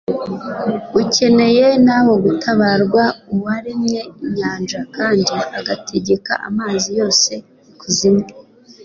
ukeneye nawo gutabarwa. Uwaremye inyanja, kandi agategeka amazi yose y'ikuzimu,